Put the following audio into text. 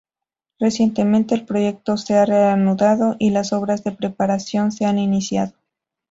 Recientemente el proyecto se ha re-anudado y las obras de preparación se han iniciado.